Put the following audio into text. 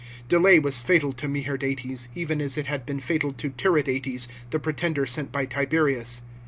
Delay was fatal to Meherdates, even as it had been fatal to Tiridates, the pretender sent by Tiberius.